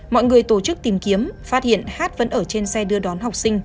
mọi người tổ chức tìm kiếm phát hiện hát vẫn ở trên xe đưa đón học sinh